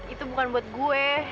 itu bukan buat gue